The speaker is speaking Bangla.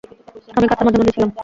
আমি কথার মাঝামাঝি ছিলাম।